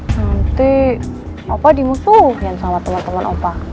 nanti opa dimusuhin sama temen temen opa